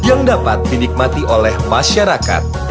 yang dapat dinikmati oleh masyarakat